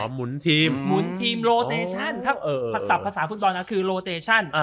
หมุนทีมมุนทีมโลเตชั่นถ้าเออพราสาพฟุตบอลน่ะคือโลเตชั่นเอ่อ